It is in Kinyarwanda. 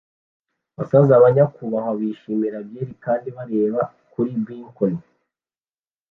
Basaza banyakubahwa bishimira byeri kandi bareba kuri bkoni